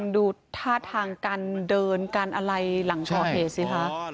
ดูท่าทางกันเดินกันอะไรหลังต่อเหตุสิครับ